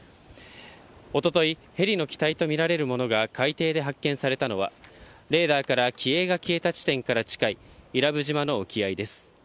おととい、ヘリの機体と見られるものが海底で発見されたのは、レーダーから機影が消えた地点から近い、伊良部島の沖合です。